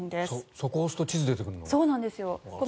そこを押すと地図が出てくるの？